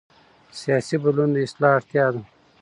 سیاسي بدلون د اصلاح اړتیا ده